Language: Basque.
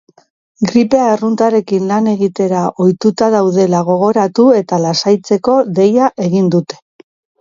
Gripe arruntarekin lan egitera ohituta daudela gogoratu eta lasaitzeko deia egin dute.